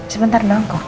sebentar dong kok